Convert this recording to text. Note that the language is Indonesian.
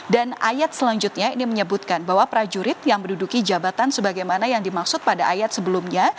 dan ayat selanjutnya ini menyebutkan bahwa prajurit yang menduduki jabatan sebagaimana yang dimaksud pada ayat sebelumnya